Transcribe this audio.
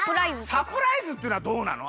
サプライズってのはどうなの？